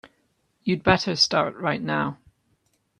You'd better start right now.